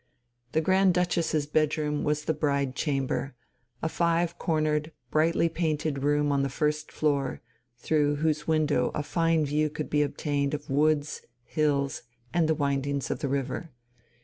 The Grand Duchess's bedroom was the "Bride chamber," a five cornered, brightly painted room on the first floor, through whose window a fine view could be obtained of woods, hills, and the windings of the river.